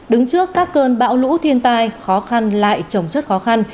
đứng trước các cơn bão lũ thiên tai khó khăn lại trồng chất khó khăn